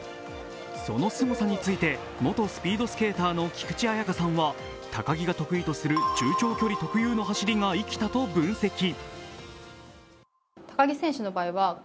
そのすごさについて、元スピードスケーターの菊池彩花さんは、高木が得意とする中長距離特有の走りが生きたと分析。